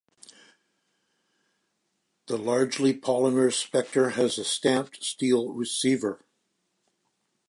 The largely polymer Spectre has a stamped-steel receiver.